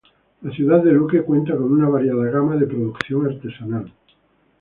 La ciudad de Luque cuenta con una variada gama de producción artesanal.